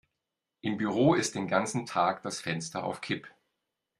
Im Büro ist den ganzen Tag das Fenster auf Kipp.